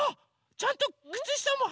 ちゃんとくつしたもはいてる！